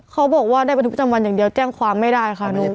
เขาบอกว่าได้บันทึกประจำวันอย่างเดียวแจ้งความไม่ได้ค่ะหนู